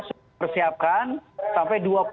sudah disiapkan sampai dua puluh dua